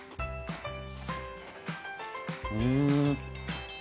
うん。